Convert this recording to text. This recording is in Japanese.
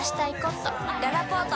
ららぽーと